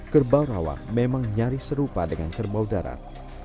kerbau rawa memang nyaris serupa dengan kerbau darat